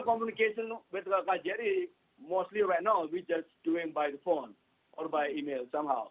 komunikasi dengan kjri sekarang kita hanya melakukannya dengan telefon atau email